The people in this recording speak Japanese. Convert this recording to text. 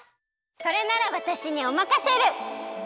それならわたしにおまかシェル！